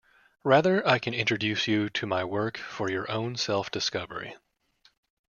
Rather, I can introduce you to my work for your own self discovery.